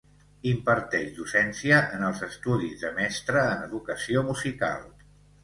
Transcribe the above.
Imparteix docència en els estudis de Mestre en Educació Musical.